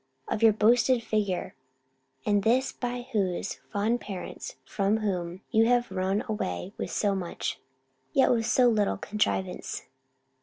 of your boasted figure; and this by those fond parents from whom you have run away with so much, yet with so little contrivance!